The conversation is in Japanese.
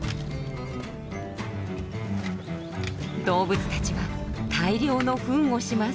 動物たちは大量のフンをします。